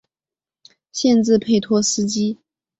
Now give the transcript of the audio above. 县治佩托斯基。